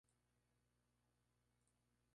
Gobernantes en el Alto Egipto.